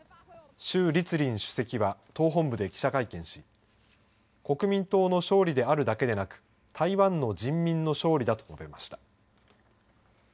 朱立倫主席は党本部で記者会見し国民党の勝利であるだけでなく台湾の人民の勝利だと述べました。